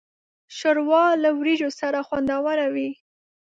ښوروا له وریژو سره خوندوره وي.